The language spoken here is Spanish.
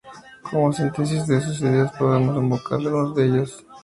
Como síntesis de sus ideas podemos evocar a algunos de ellos.